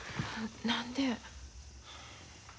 何で？